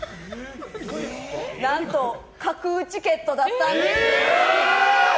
何と、架空チケットだったんです。